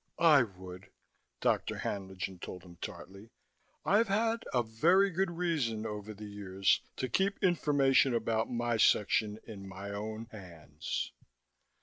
"I would," Dr. Haenlingen told him tartly. "I've had a very good reason, over the years, to keep information about my section in my own hands."